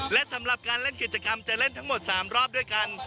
และสำหรับการเล่นกิจกรรมจะเล่นทั้งหมด๓รอบด้วยกัน